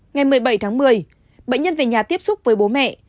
ngày một mươi bảy tháng một mươi bệnh nhân về nhà tiếp xúc với bố mẹ